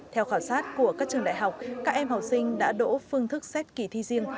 theo khảo sát của các trường đại học các em học sinh đã đỗ phương thức xét kỳ thi riêng